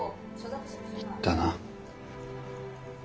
行ったな。